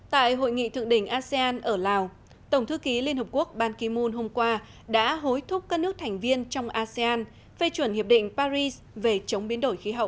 tại hội nghị thượng đỉnh asean ở lào tổng thư ký liên hợp quốc ban kimon hôm qua đã hối thúc các nước thành viên trong asean phê chuẩn hiệp định paris về chống biến đổi khí hậu